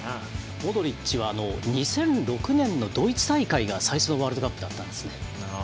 モドリッチは２００６年のドイツ大会が最初のワールドカップだったんです。